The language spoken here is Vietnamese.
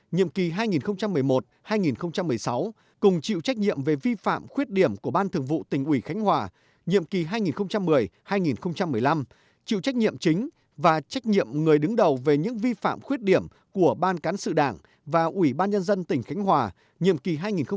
nhiệm kỳ hai nghìn một mươi một hai nghìn một mươi sáu cùng chịu trách nhiệm về vi phạm khuyết điểm của ban thường vụ tỉnh ủy khánh hòa nhiệm kỳ hai nghìn một mươi hai nghìn một mươi năm chịu trách nhiệm chính và trách nhiệm người đứng đầu về những vi phạm khuyết điểm của ban cán sự đảng và ủy ban nhân dân tỉnh khánh hòa nhiệm kỳ hai nghìn một mươi một hai nghìn một mươi sáu